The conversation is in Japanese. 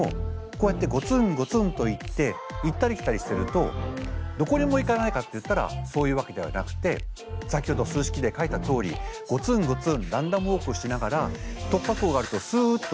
こうやってゴツンゴツンといって行ったり来たりしてるとどこにも行かないかっていったらそういうわけではなくて先ほど数式で書いたとおりゴツンゴツンランダムウォークしながら突破口があるとすっと行く。